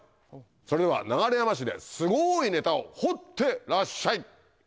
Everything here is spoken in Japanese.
それでは流山市ですごいネタを掘ってらっしゃい。